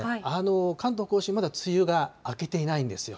関東甲信、まだ梅雨が明けていないんですよ。